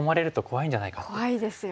怖いですよ。